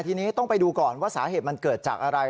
ทีนี้ต้องไปดูก่อนว่าสาเหตุมันเกิดจากอะไร